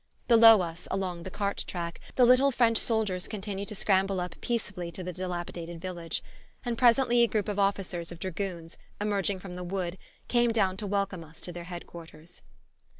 Below us, along the cart track, the little French soldiers continued to scramble up peacefully to the dilapidated village; and presently a group of officers of dragoons, emerging from the wood, came down to welcome us to their Head quarters.